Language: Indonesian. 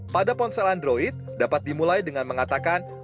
pada ponsel android dapat dimulai dengan mengatakan